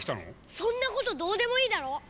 そんなことどうでもいいだろ！